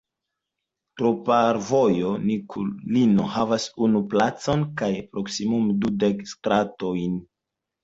Troparjovo-Nikulino havas unu placon kaj proksimume dudek stratojn.